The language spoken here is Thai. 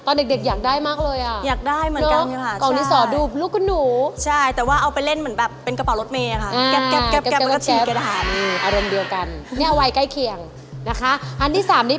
ตอนเด็กอยากได้มากเลยอะ